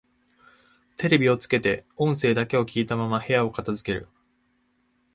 テレビをつけて音声だけを聞いたまま部屋を片づける